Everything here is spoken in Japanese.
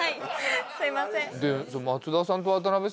すいません。